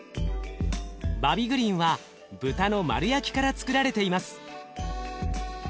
バビグリンは豚の丸焼きからつくられています。